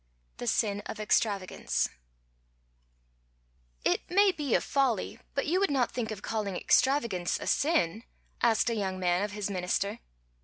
THE SIN OF EXTRAVAGANCE "It may be a folly, but you would not think of calling extravagance a sin?" asked a young man of his minister.